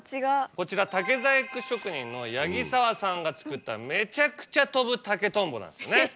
こちら竹細工職人の八木澤さんが作っためちゃくちゃ飛ぶ竹とんぼなんですよね。